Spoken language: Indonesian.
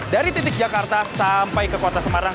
dari titik jakarta sampai ke kota semarang